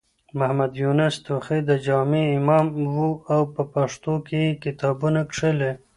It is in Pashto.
محمد يونس توخى د جامع امام و او په پښتو کې يې کتابونه کښلي.